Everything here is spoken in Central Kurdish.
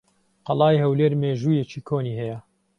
قەڵای هەولێر مێژوویەکی کۆنی ھەیە.